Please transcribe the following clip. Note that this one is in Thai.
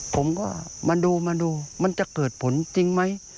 ผมก็มาดูมาดูมันจะเกิดผลจริงไหม